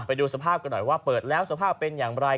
ไปดูสภาพกันหน่อยว่าเปิดแล้วสภาพเป็นอย่างไร